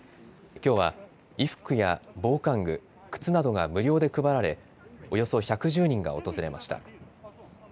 きょうは衣服や防寒具靴などが無料で配られおよそ１１０人が訪れました。